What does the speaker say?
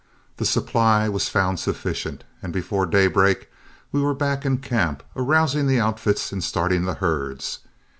The supply was found sufficient, and before daybreak we were back in camp, arousing the outfits and starting the herds.